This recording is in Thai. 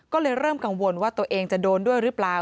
ก็เลยเริ่มกังวลว่าตัวเองจะโดนด้วยหรือเปล่า